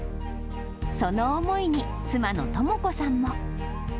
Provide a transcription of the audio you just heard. その思いに妻の智子さんも。